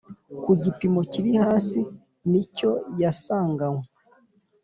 ku gipimo kiri hasi nicyo yasanganwe